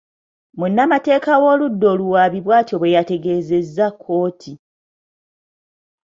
Munnamateeka w'oludda oluwaabi bw'atyo bwe yategezezza kkooti.